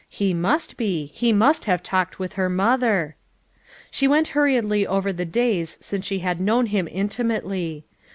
he must be ; he must have talked with her mother ! She went hurriedly over the days since she had known him intimately.